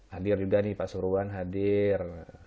hadir juga nih pak surwan hadir